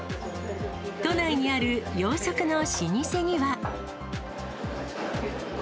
都内にある洋食の老舗には。